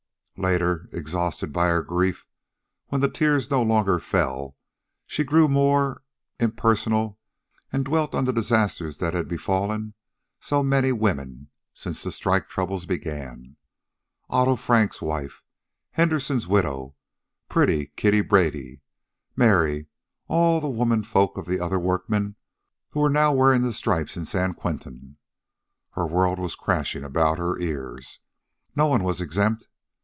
Later, exhausted by her grief, when the tears no longer fell, she grew more impersonal, and dwelt on the disasters that had befallen so many women since the strike troubles began Otto Frank's wife, Henderson's widow, pretty Kittie Brady, Mary, all the womenfolk of the other workmen who were now wearing the stripes in San Quentin. Her world was crashing about her ears. No one was exempt.